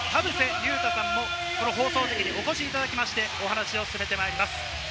勇太さんも放送席にお越しいただきまして、お話を進めてまいります。